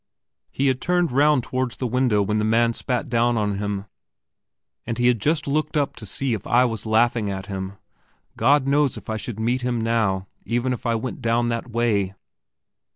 He had turned round towards the window when the man spat down on him, and he had just looked up to see if I was laughing at him. God knows if I should meet him now, even if I went down that way.